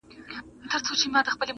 زولانه د خپل ازل یمه معذور یم-